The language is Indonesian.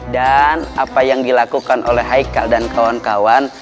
dan apa yang dilakukan oleh haikal dan kawan kawan